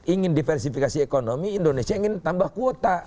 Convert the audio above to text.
ingin diversifikasi ekonomi indonesia ingin tambah kuota